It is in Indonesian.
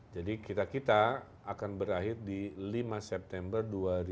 jadi kita kita akan berakhir di lima september dua ribu dua puluh tiga